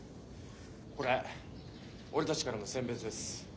これ俺たちからのせん別です。